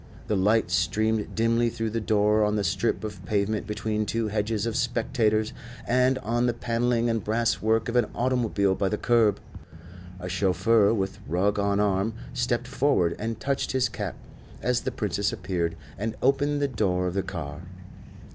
The light streamed dimly through the door on the strip of pavement between two hedges of spectators, and on the panelling and brass work of an automobile by the curb. A chauffeur, with rug on arm, stepped forward and touched his cap, as the Princess appeared, and opened the door of the car.